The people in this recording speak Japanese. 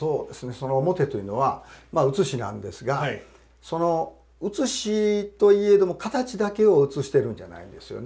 その面というのは写しなんですがその写しといえども形だけを写してるんじゃないんですよね。